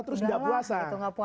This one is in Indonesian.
terus tidak puasa